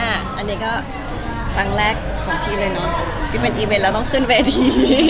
อันนี้ก็ครั้งแรกของพี่เลยเนอะที่เป็นอีเวนต์แล้วต้องขึ้นเวที